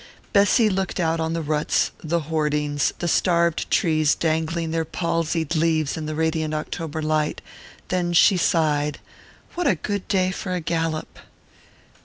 Bessy looked out on the ruts, the hoardings, the starved trees dangling their palsied leaves in the radiant October light; then she sighed: "What a good day for a gallop!"